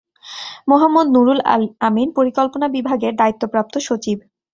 মোহাম্মদ নুরুল আমিন পরিকল্পনা বিভাগের দায়িত্বপ্রাপ্ত সচিব।